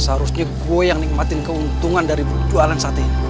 seharusnya gue yang nikmatin keuntungan dari jualan sate